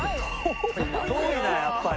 遠いなやっぱり。